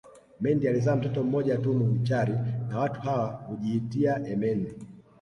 Mendi alizaa mtoto mmoja tu Munchari na watu hawa hujiitia emendi